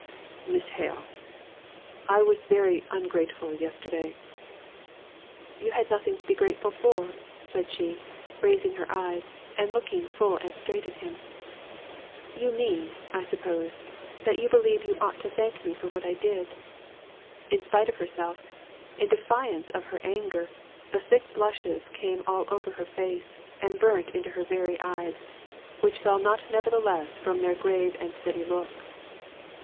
"Miss Hale, I was very ungrateful yesterday " "You had nothing to be grateful for," said she raising her eyes, and looking full and straight at him. "You mean, I suppose, that you believe you ought to thank me for what I did." In spite of herself in defiance of her anger the thick blushes came all over her face, and burnt into her very eyes; which fell not nevertheless from their grave and steady look.